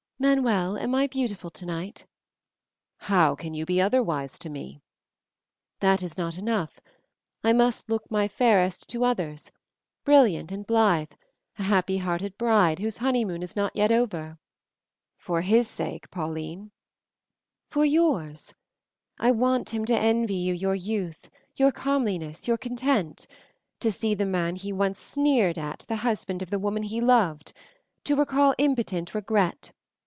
Manuel, am I beautiful tonight?" "How can you be otherwise to me?" "That is not enough. I must look my fairest to others, brilliant and blithe, a happy hearted bride whose honeymoon is not yet over." "For his sake, Pauline?" "For yours. I want him to envy you your youth, your comeliness, your content; to see the man he once sneered at the husband of the woman he once loved; to recall impotent regret.